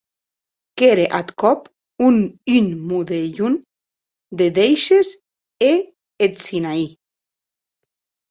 Qu’ère ath còp un modelhon de dèishes e eth Sinaí.